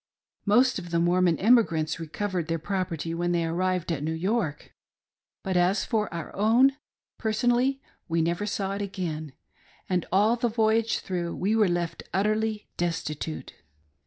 Most of the Mormon emigrants recovered their property when they arrived at New York, but as for our own, personally, we never saw it again, and all the voyage through we were left utterly desti tute.